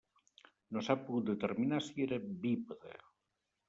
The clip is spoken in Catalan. No s'ha pogut determinar si era bípede.